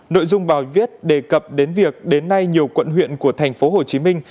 nội dung bài viết đề cập đến việc đến nay nhiều quận huyện của thành phố hồ chí minh